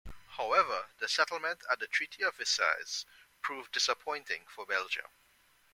However, the settlement at the Treaty of Versailles proved disappointing for Belgium.